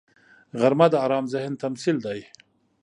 غرمه د آرام ذهن تمثیل دی